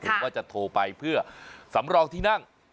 หรือว่าจะโทรไปเพื่อสำรองที่นั่ง